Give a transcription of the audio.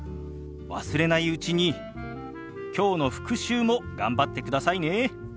忘れないうちにきょうの復習も頑張ってくださいね。